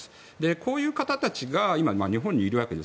こういう方たちが今、日本にいるわけです。